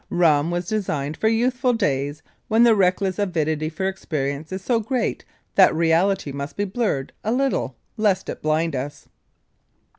Rum was designed for youthful days when the reckless avidity for experience is so great that reality must be blurred a little lest it blind us.